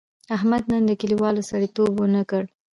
احمد نن له کلیوالو سړیتیوب و نه کړ.